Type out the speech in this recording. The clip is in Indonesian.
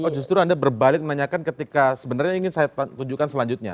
oh justru anda berbalik menanyakan ketika sebenarnya ingin saya tunjukkan selanjutnya